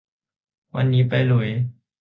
วันนี้ไปลุย